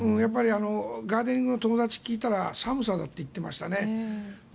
ガーデニングの友達に聞いたら寒さだって言っていましたね。